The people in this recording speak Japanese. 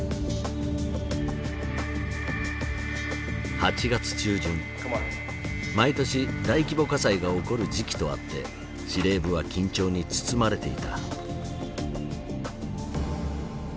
８月中旬毎年大規模火災が起こる時期とあって司令部は緊張に包まれていた。